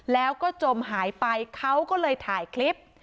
แล้วก็จมหายไปเขาก็เลยถ่ายคลิป